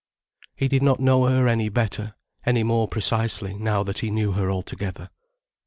He did not know her any better, any more precisely, now that he knew her altogether.